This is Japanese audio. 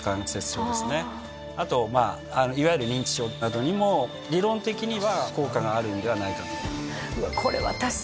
あといわゆる認知症などにも理論的には効果があるんではないか。